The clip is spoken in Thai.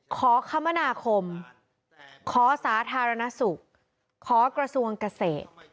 คมนาคมขอสาธารณสุขขอกระทรวงเกษตร